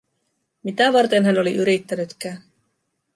Mitä varten hän oli yrittänytkään.